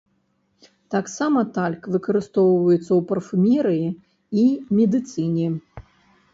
Таксама тальк выкарыстоўваецца ў парфумерыі і медыцыне.